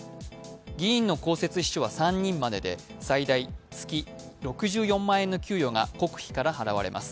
議員の公設秘書は３人までで、最大月６４万円の給与が国費から払われます。